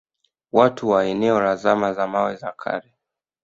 Watu wa eneo la zama za mawe za kale